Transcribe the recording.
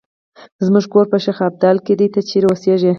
زمونږ کور په شیخ ابدال کې ده، ته چېرې اوسیږې؟